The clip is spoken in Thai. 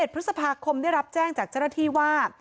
๑พฤษภาคมได้รับแจ้งจากเจ้าหน้าที่ว่า